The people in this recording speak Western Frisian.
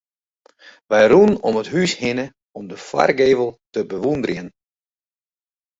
Wy rûnen om it hús hinne om de foargevel te bewûnderjen.